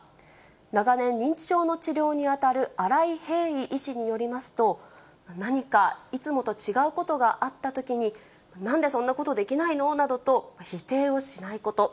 長年、認知症の治療に当たる新井平伊医師によりますと、何かいつもと違うことがあったときに、なんでそんなことできないのなどと否定をしないこと。